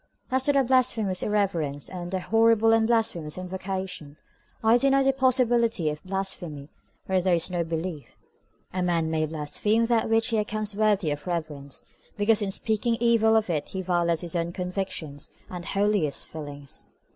As to the "blasphemous irreverence" and the "horrible and blasphemous invocation," I deny the possibility of blasphemy where there is no belief. A man may blaspheme that which he accounts worthy of reverence, because in speaking evil of it he violates his own convictions and holiest feelings.